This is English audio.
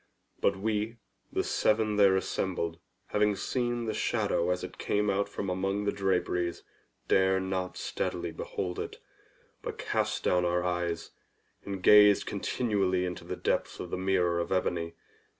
But we, the seven there assembled, having seen the shadow as it came out from among the draperies, dared not steadily behold it, but cast down our eyes, and gazed continually into the depths of the mirror of ebony.